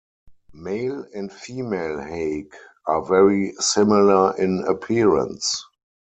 Male and female hake are very similar in appearance.